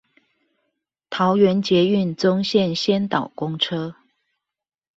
桃園捷運棕線先導公車